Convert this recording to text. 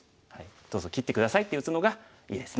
「どうぞ切って下さい」って打つのがいいですね。